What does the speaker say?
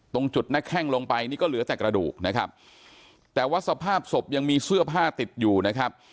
ตรงจุดหน้าแข้งลงไปนี่ก็เหลือแต่กระดูกนะครับแต่ว่าสภาพศพยังมีเสื้อผ้าติดอยู่นะครับ